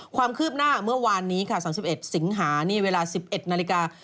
ความคืบหน้าเมื่อวานนี้ค่ะ๓๑สิงหานี่เวลา๑๑นาฬิกา